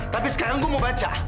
tapi sekarang gue mau baca